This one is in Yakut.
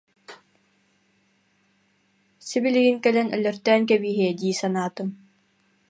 сибилигин кэлэн іліртіін кэбиһиэ дии санаатым